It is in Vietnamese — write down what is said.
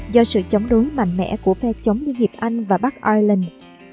do sự chống đối mạnh mẽ của phe chống liên hiệp anh và park island